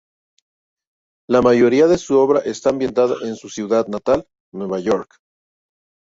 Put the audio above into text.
La mayoría de su obra está ambientada en su ciudad natal, Nueva York.